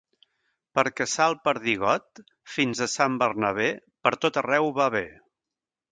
Per caçar el perdigot, fins a Sant Bernabé pertot arreu va bé.